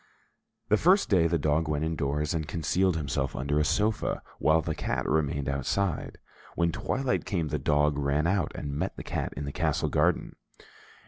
The first day the dog went indoors, and concealed himself under a sofa, while the cat remained outside. When twilight came, the dog ran out and met the cat in the castle garden.